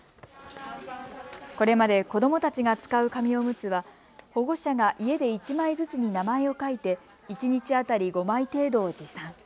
これまで子どもたちが使う紙おむつは保護者が家で１枚ずつに名前を書いて一日当たり５枚程度を持参。